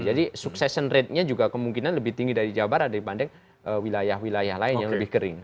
jadi sukses rate nya juga kemungkinan lebih tinggi dari jawa barat daripada wilayah wilayah lain yang lebih kering